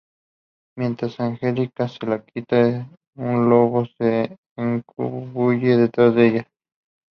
Mientras Angelica se lo quita, un lobo se escabulle detrás de ella.